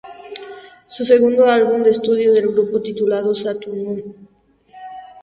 Su segundo álbum de estudio del grupo titulado, Satu No.